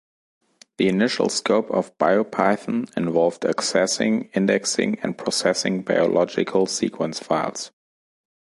The initial scope of Biopython involved accessing, indexing and processing biological sequence files.